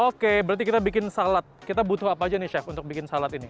oke berarti kita bikin salad kita butuh apa aja nih chef untuk bikin salad ini